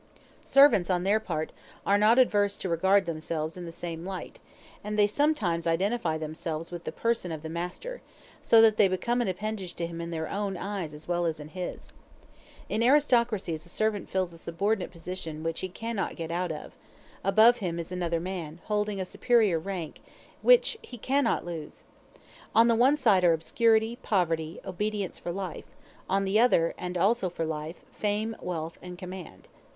Servants, on their part, are not averse to regard themselves in the same light; and they sometimes identify themselves with the person of the master, so that they become an appendage to him in their own eyes as well as in his. In aristocracies a servant fills a subordinate position which he cannot get out of; above him is another man, holding a superior rank which he cannot lose. On one side are obscurity, poverty, obedience for life; on the other, and also for life, fame, wealth, and command.